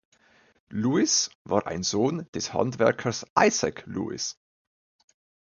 Lewis war ein Sohn des Handwerkers Isaac Lewis.